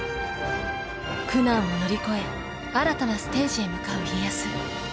苦難を乗り越え新たなステージへ向かう家康。